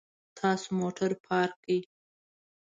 تاسو موټر پارک کړئ